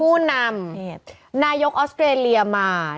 ผู้นำนายกออสเตรเลียมา